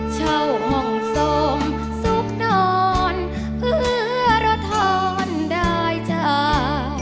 เช่าห้องทรงสุขนอนเพื่อระทอนได้เจ้า